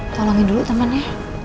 tolongin dulu temennya